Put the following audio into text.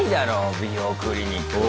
美容クリニックは。